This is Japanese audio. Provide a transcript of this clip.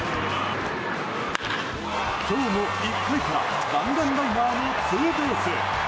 今日も１回から弾丸ライナーのツーベース。